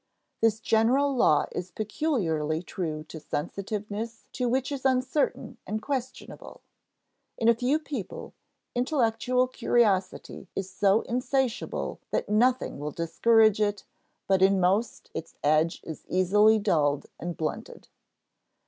This general law is peculiarly true of sensitiveness to what is uncertain and questionable; in a few people, intellectual curiosity is so insatiable that nothing will discourage it, but in most its edge is easily dulled and blunted.